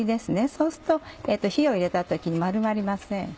そうすると火を入れた時に丸まりません。